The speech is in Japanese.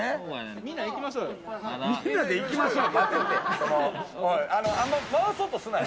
みんなで行きましょうよ。